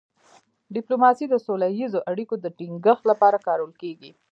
ډيپلوماسي د سوله ییزو اړیکو د ټینګښت لپاره کارول کېږي.